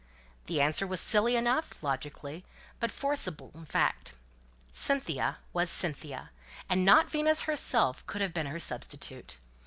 The answer was silly enough, logically; but forcible in fact. Cynthia was Cynthia, and not Venus herself could have been her substitute.